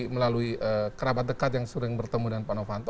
melalui kerabat dekat yang sering bertemu dengan pak novanto